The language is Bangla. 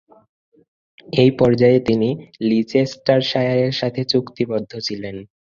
এ পর্যায়ে তিনি লিচেস্টারশায়ারের সাথে চুক্তিবদ্ধ ছিলেন।